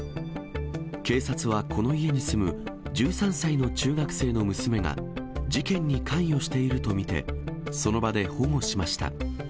警察はこの家に住む１３歳の中学生の娘が、事件に関与していると見て、その場で保護しました。